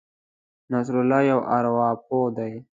نصرت الله یو ارواپوه دی.